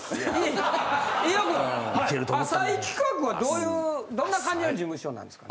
飯尾君浅井企画はどんな感じの事務所なんですか？